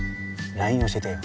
ＬＩＮＥ 教えてよ